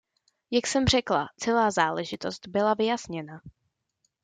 Jak jsem řekla, celá záležitost byla vyjasněna.